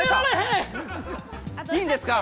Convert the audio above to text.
いいんですか？